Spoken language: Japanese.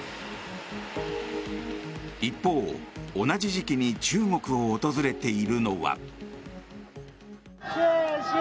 一方、同じ時期に中国を訪れているのは。